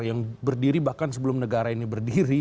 yang berdiri bahkan sebelum negara ini berdiri